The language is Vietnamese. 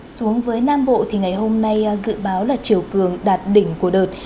xuống với nam bộ thì ngày hôm nay dự báo là chiều cường đạt đỉnh của đợt